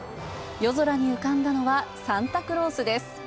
夜空に浮かんだのはサンタクロース。